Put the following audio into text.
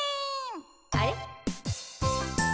あれ？